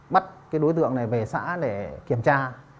bắt đối tượng này về xã để kiểm tra